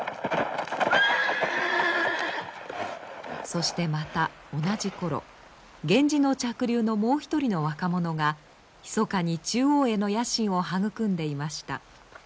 そしてまた同じ頃源氏の嫡流のもう一人の若者がひそかに中央への野心を育んでいました。